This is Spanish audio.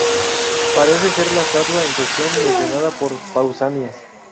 Parece ser la estatua en cuestión, mencionada por Pausanias.